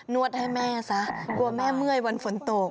วดให้แม่ซะกลัวแม่เมื่อยวันฝนตก